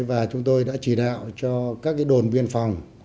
và chúng tôi đã chỉ đạo cho các đồn biên phòng